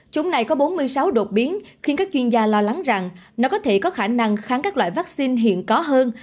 chúng này có bốn mươi sáu đột biến khiến các chuyên gia lo lắng rằng nó có thể có khả năng kháng các loại vaccine hiện có hơn